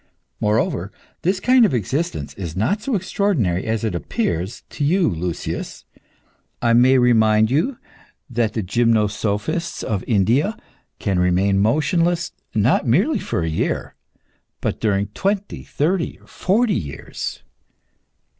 Moreover, this kind of existence is not so extraordinary as it appears to you, Lucius. I may remind you that the gymnosophists of India can remain motionless, not merely for a year, but during twenty, thirty, or forty years."